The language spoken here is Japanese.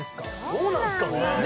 どうなんすかね？